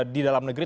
di dalam negeri